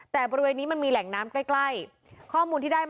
และก็คือว่าถึงแม้วันนี้จะพบรอยเท้าเสียแป้งจริงไหม